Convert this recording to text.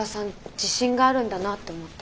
自信があるんだなぁと思って。